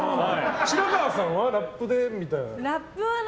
白河さんはラップでみたいな。